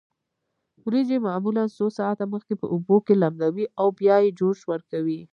وریجې معمولا څو ساعته مخکې په اوبو کې لمدوي او بیا یې جوش ورکوي.